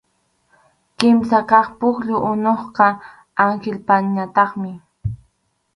Kimsa kaq pukyu unuqa Anhilpañataqmi.